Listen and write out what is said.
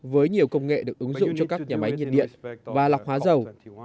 với nhiều công nghệ được ứng dụng cho các nhà máy nhiệt điện và lọc hóa dầu